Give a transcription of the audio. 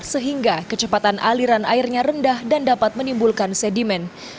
sehingga kecepatan aliran airnya rendah dan dapat menimbulkan sedimen